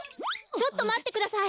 ちょっとまってください。